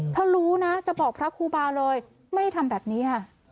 เธอรู้นะจะบอกพระครูบาเลยไม่ให้ทำแบบนี้